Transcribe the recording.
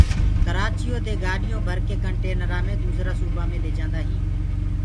ڪرآچيو دي گآڏيونٚ ڀرڪي ڪنٽينرآ مي دوسرآ سوبآ مي ليجآنٚدآ هينٚ